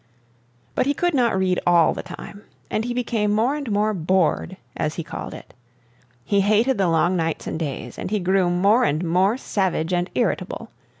But he could not read all the time, and he became more and more "bored," as he called it. He hated the long nights and days, and he grew more and more savage and irritable.